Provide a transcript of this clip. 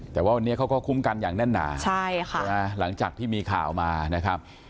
แต่ว่าวันนี้เขาก็คุ้มกันอย่างแน่นหนาใช่ค่ะหลังจากที่มีข่าวมานะครับ